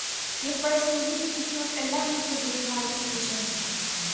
یہ فرض روزے بھی کسی وقت اللہ ہی کے لیے خالص ہو جائیں گے